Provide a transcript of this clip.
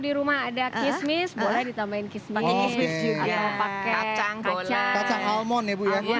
di rumah ada kismis boleh ditambahin kismis juga pakai kacang kacang kacang almond ya iya